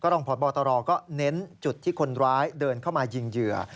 รองพบตรก็เน้นจุดที่คนร้ายเดินเข้ามายิงเหยื่อ